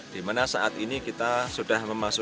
di mana saat ini kita sudah masuk